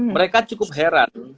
mereka cukup heran